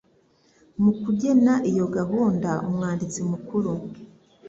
mu kugena iyo gahunda umwanditsi mukuru